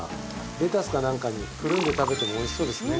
レタスかなんかにくるんで食べてもおいしそうですね